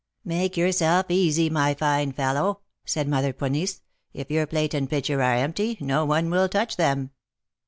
"Make yourself easy, my fine fellow," said Mother Ponisse; "if your plate and pitcher are empty, no one will touch them."